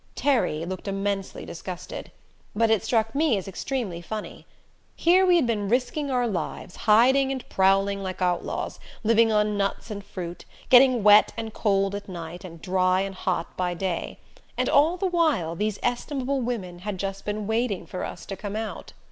Terry looked immensely disgusted, but it struck me as extremely funny. Here we had been risking our lives, hiding and prowling like outlaws, living on nuts and fruit, getting wet and cold at night, and dry and hot by day, and all the while these estimable women had just been waiting for us to come out.